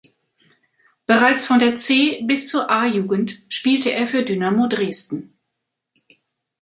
Bereits von der C- bis zur A-Jugend spielte er für Dynamo Dresden.